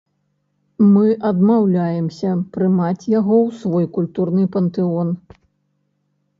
Мы адмаўляемся прымаць яго ў свой культурны пантэон!